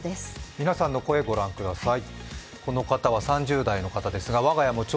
皆さんの声、ご覧ください。